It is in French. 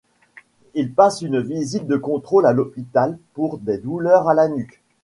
Il passe une visite de contrôle à l'hôpital pour des douleurs à la nuque.